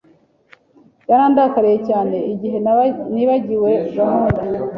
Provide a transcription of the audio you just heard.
Yarandakariye cyane igihe nibagiwe gahunda.